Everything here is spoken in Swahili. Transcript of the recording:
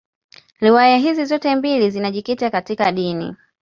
Riwaya hizi zote mbili zinajikita katika dini.